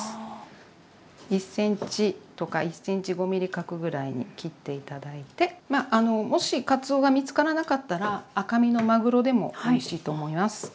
１ｃｍとか１ｃｍ５ｍｍ角ぐらいに切って頂いてまあもしかつおが見つからなかったら赤身のまぐろでもおいしいと思います。